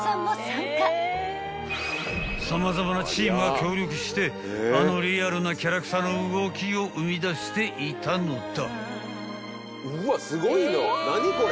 ［様々なチームが協力してあのリアルなキャラクターの動きを生み出していたのだ］